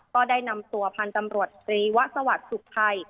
ก็ได้นำตัวพันธ์ตำรวจตรีวะสวัสดิ์สุขภัย